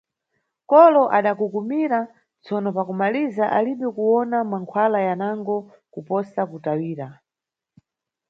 Kolo adakukumira, tsono pa kumalizira alibe kuwona mankhwala yanango kuposa kutawira.